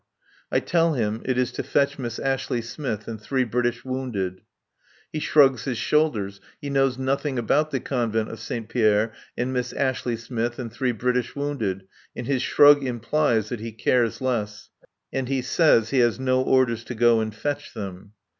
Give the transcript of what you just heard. I tell him it is to fetch Miss Ashley Smith and three British wounded. He shrugs his shoulders. He knows nothing about the Couvent de Saint Pierre and Miss Ashley Smith and three British wounded, and his shrug implies that he cares less. And he says he has no orders to go and fetch them.